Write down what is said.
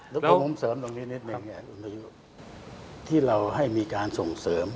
แล้วผมมุ่งเสริมลงนิดหนึ่งที่เราให้มีการส่งเสริม